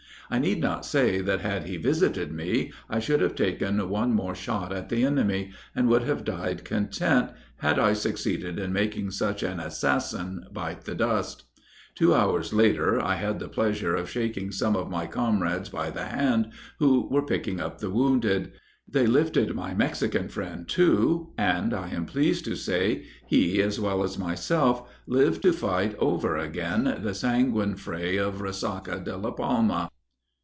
I need not say that had he visited me I should have taken one more shot at the enemy, and would have died content, had I succeeded in making such an assassin bite the dust. Two hours after, I had the pleasure of shaking some of my comrades by the hand, who were picking up the wounded. They lifted my Mexican friend, too, and I am pleased to say he, as well as myself, live to fight over again the sanguine fray of _Resaca de la Palma."